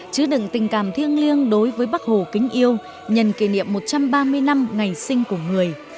chứa đựng tình cảm thiêng liêng đối với bác hồ kính yêu nhận kỷ niệm một trăm ba mươi năm ngày sinh của người